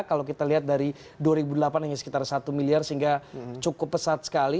kalau kita lihat dari dua ribu delapan hanya sekitar satu miliar sehingga cukup pesat sekali